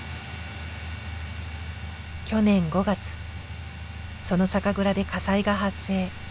去年５月その酒蔵で火災が発生。